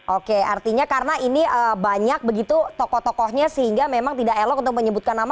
oke artinya karena ini banyak begitu tokoh tokohnya sehingga memang tidak elok untuk menyebutkan nama